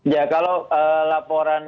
ya kalau laporan